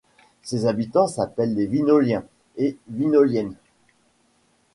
Ses habitants s'appellent les Vinoliens et Vinoliennes.